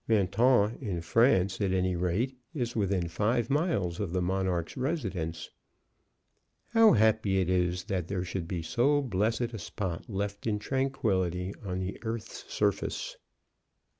Mentone, in France, at any rate, is within five miles of the monarch's residence. How happy it is that there should be so blessed a spot left in tranquillity on the earth's surface!